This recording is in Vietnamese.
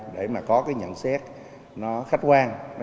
để có nhận xét khách quan